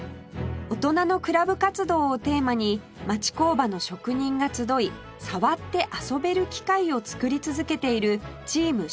大人のクラブ活動をテーマに町工場の職人が集い触って遊べる機械を作り続けているチーム職人魂